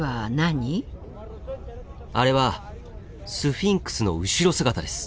あれはスフィンクスの後ろ姿です。